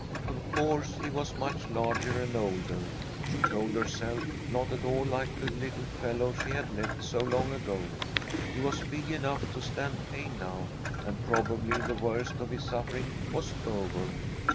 Of course he was much larger and older, she told herself, not at all like the little fellow she had left so long ago. He was big enough to stand pain now, and probably the worst of his suffering was over.